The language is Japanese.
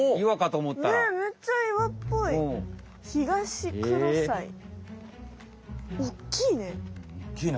おっきいな。